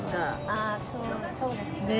ああそうそうですね。